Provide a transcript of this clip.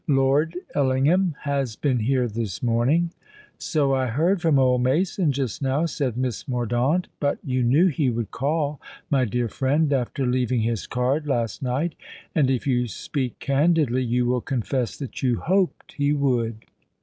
Lord Ellingham has been here this morning." "So I heard from old Mason just now," said Miss Mordaunt. "But you knew he would call, my dear friend, after leaving his card last night. And—if you speak candidly—you will confess that you hoped he would."